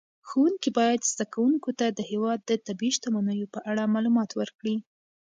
ښوونکي باید زده کوونکو ته د هېواد د طبیعي شتمنیو په اړه معلومات ورکړي.